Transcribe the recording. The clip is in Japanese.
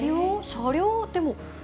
車両？でも。